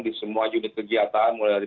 di semua unit kegiatan mulai dari